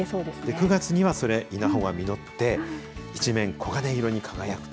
９月には、稲穂が実って一面、黄金色に輝くと。